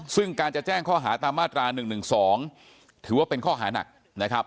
ซึ่งการจะแจ้งข้อหาตามมาตรา๑๑๒ถือว่าเป็นข้อหานักนะครับ